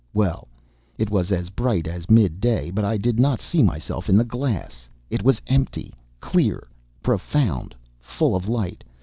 well?... It was as bright as at midday, but I did not see myself in the glass!... It was empty, clear, profound, full of light!